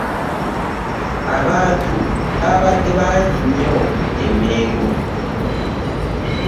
Abantu babadde bangi nnyo e Mengo.